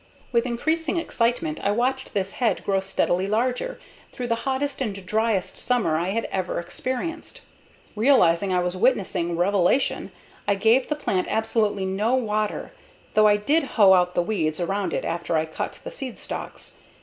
With increasing excitement I watched this head grow steadily larger through the hottest and driest summer I had ever experienced. Realizing I was witnessing revelation, I gave the plant absolutely no water, though I did hoe out the weeds around it after I cut the seed stalks.